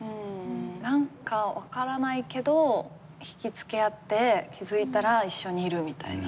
何か分からないけど引きつけあって気付いたら一緒にいるみたいな。